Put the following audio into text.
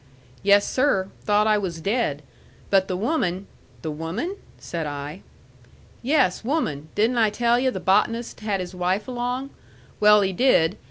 "Yes, sir. Thought I was dead. But the woman " "The woman?" said I. "Yes, woman. Didn't I tell yu' the botanist had his wife along? Well, he did.